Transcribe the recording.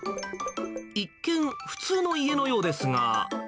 一見、普通の家のようですが。